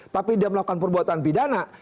tapi dia melakukan perbuatan pidana